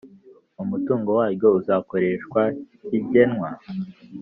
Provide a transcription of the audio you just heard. Umutungo waryo uzakoreshwa kigenwa